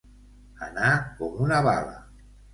Anar com una bala.